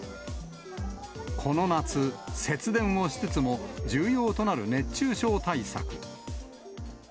この夏、節電をしつつも、重要となる熱中症対策。